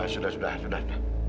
sudah sudah sudah